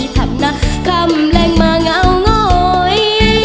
ทับหน้าคำแรงมาเหงาง้อย